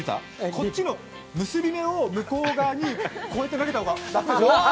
こっちの結び目を向こう側に、こうやって投げた方が楽でしょ。